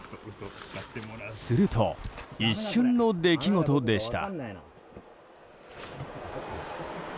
すると、一瞬の出来事でした。